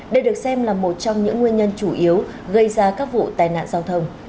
đây được xem là một trong những nguyên nhân chủ yếu gây ra các vụ tai nạn giao thông